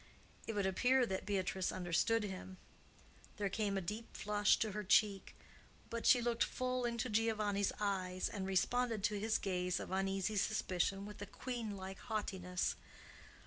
It would appear that Beatrice understood him. There came a deep flush to her cheek; but she looked full into Giovanni's eyes, and responded to his gaze of uneasy suspicion with a queenlike haughtiness.